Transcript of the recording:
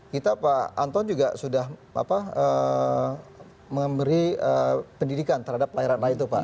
kita pak anton juga sudah memberi pendidikan terhadap pelayaran rakyat itu pak